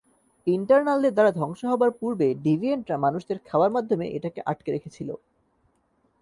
ইটারনালদের দ্বারা ধ্বংস হবার পূর্বে ডিভিয়েন্টরা মানুষদের খাওয়ার মাধ্যমে এটাকে আটকে রেখেছিলো।